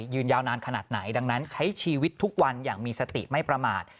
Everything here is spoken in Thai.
ยืนยาวนานขนาดไหนดังนั้นใช้ชีวิตทุกวันอย่างมีสติไม่ประมาท